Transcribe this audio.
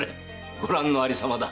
ご覧の有様だ。